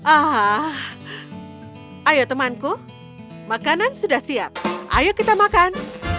ah ayo temanku makanan sudah siap ayo kita makan